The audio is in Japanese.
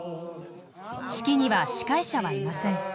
式には司会者はいません。